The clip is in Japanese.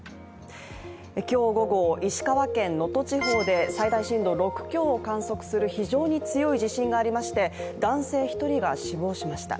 今日午後、石川県能登地方で最大震度６強を観測する非常に強い地震がありまして、男性１人が死亡しました。